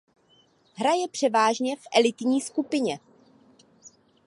Hraje převážně v elitní skupině.